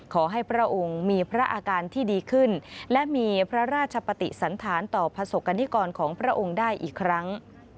พระองค์มีพระอาการที่ดีขึ้นและมีพระราชปฏิสันธารต่อประสบกรณิกรของพระองค์ได้อีกครั้ง